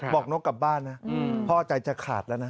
นกกลับบ้านนะพ่อใจจะขาดแล้วนะ